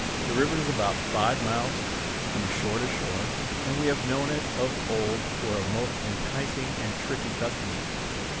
The river is about five miles from shore to shore, and we have known it of old for a most enticing and tricksy customer.